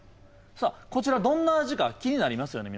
さあこちらどんな味か気になりますよね